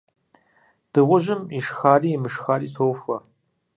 Дыгъужьым ишхари имышхари тохуэ.